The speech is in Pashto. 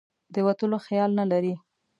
د وتلو خیال نه لري.